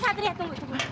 satria tunggu tunggu